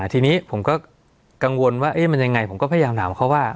ทีนี้ผมก็กังวลว่ามันยังไงผมก็พยายามถามเขาว่า